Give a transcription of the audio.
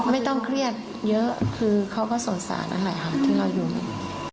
ไม่ต้องเครียดเยอะคือเขาก็สงสารนั่นแหละค่ะที่เราอยู่เนี่ย